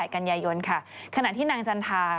กันยายนค่ะขณะที่นางจันทา